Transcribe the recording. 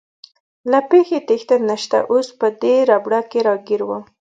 له پېښې تېښته نشته، اوس په دې ربړه کې راګیر ووم.